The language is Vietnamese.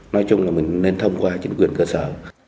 nói chung là mình nên thông qua chính quyền cơ sở